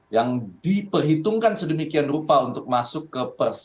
yang diperhitungkan sedemikian rupa untuk masuk ke persepsi para pemilih